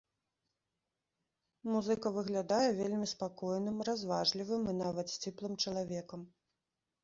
Музыка выглядае вельмі спакойным, разважлівым і нават сціплым чалавекам.